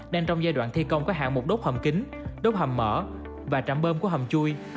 đang trong giai đoạn thi công các hạng mục đốt hầm kính đốt hầm mở và trạm bơm của hầm chui